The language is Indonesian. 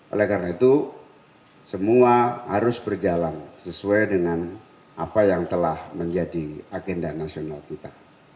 oleh karena itu semua harus berjalan sesuai dengan apa yang telah menjadi agenda nasional kita